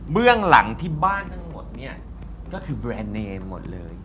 เรื่องหลังที่บ้านทั้งหมดเนี่ยก็คือแบรนด์เนมหมดเลย